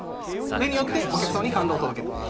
これによってお客さまに感動を届けること。